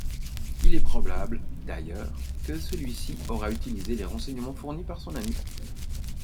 Il est probable, d'ailleurs, que celui-ci aura utilisé les renseignements fournis par son ami.